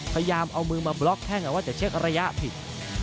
พยายามเอามือมาบล็อกแข้งว่าจะเช็กระยะผิด